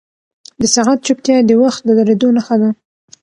د ساعت چوپتیا د وخت د درېدو نښه وه.